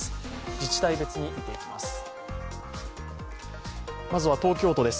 自治体別に見ていきます。